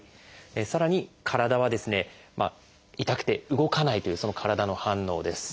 さらに「身体」はですね「痛くて動かない」というその体の反応です。